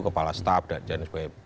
kepala staff dan sebagainya